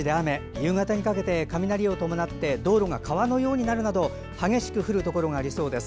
夕方にかけて雷を伴って道路が川のようになるなど激しく降るところがありそうです。